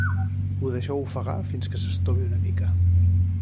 ho deixeu ofegar fins que s'estovi una mica